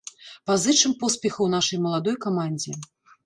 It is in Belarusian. Пазычым поспехаў нашай маладой камандзе.